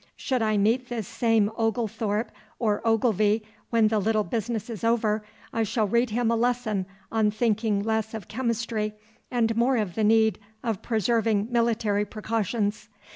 Should I meet this same Oglethorpe or Ogilvy when the little business is over, I shall read him a lesson on thinking less of chemistry and more of the need of preserving military precautions.